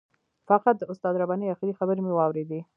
فقط د استاد رباني آخري خبرې مې واورېدې.